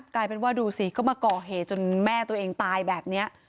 กลายเป็นว่าดูสิก็มาก่อเหตุจนแม่ตัวเองตายแบบนี้